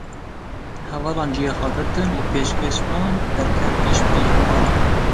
Hevalan ciyê xwe girtin û pêşkêşvan, derket pêşberî hevalan